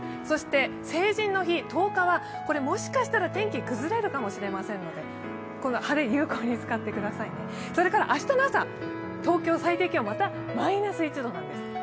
そして成人の日、１０日はもしかしたら天気、崩れるかもしれませんのでこの晴れ、有効に使ってくださいね明日の朝、東京、最低気温またマイナス１度なんです。